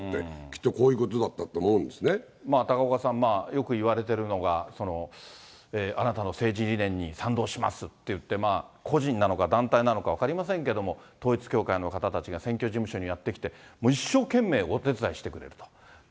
きっとこういうことだったと思う高岡さん、よくいわれてるのが、あなたの政治理念に賛同しますっていって、個人なのか団体なのか分かりませんけれども、統一教会の方たちが選挙事務所にやって来て、一生懸命お手伝いしてくれると。